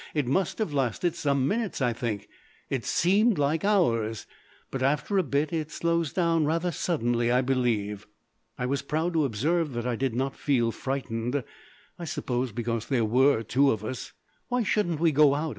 It must have lasted some minutes, I think it seemed like hours. But after a bit it slows down rather suddenly, I believe." I was proud to observe that I did not feel frightened I suppose because there were two of us. "Why shouldn't we go out?"